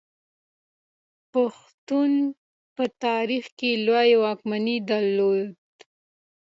پښتنو په تاریخ کې لویې واکمنۍ درلودې